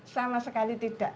sama sekali tidak